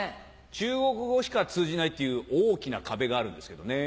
中国語しか通じないっていう大きな壁があるんですけどね。